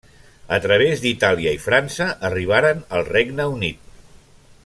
A través d'Itàlia i França arribaren al Regne Unit.